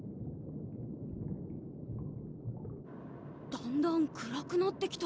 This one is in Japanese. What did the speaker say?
だんだん暗くなってきた。